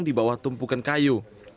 di bawah tumpukan kayu